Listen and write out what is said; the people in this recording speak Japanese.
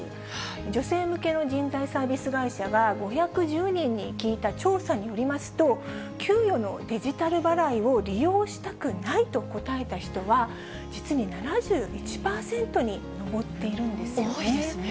女性向けの人材サービス会社が、５１０人に聞いた調査によりますと、給与のデジタル払いを利用したくないと答えた人は、多いですね。